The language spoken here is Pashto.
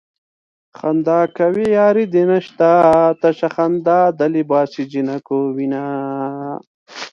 خندا کوې ياري دې نشته تشه خندا د لباسې جنکو وينه